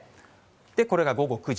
これが午後９時。